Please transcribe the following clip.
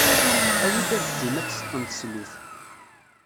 Awi-d afzim, ad t-teqqen teslit.